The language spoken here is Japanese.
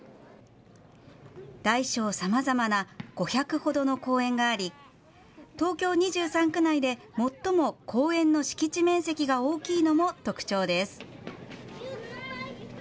大小さまざまな５００ほどの公園があり東京２３区内で最も公園の敷地面積が大きいのも特徴です。